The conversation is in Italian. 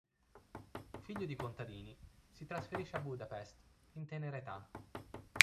Figlio di contadini, si trasferisce a Budapest in tenera età.